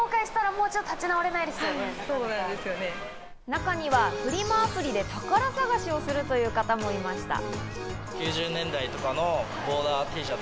中にはフリマアプリで宝探しをするという方もいました。